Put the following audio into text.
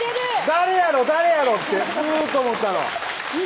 誰やろ誰やろってずーっと思ってたの